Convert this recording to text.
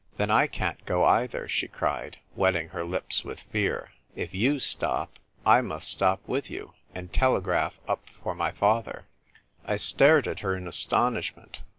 "Then I can't go either," she cried, wetting her lips with fear. " If you stop, / must stop with you, and telegraph up for my father." I PLAY CARMEN. 97 I Stared at her in astonishment.